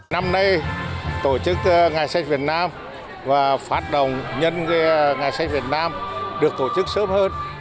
năm nay tổ chức ngày sách việt nam và phát động nhân ngày sách việt nam được tổ chức sớm hơn